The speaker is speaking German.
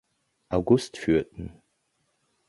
August führten.